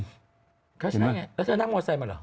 ดีเหรอครับใส่นั่งโมเซลละเหรอ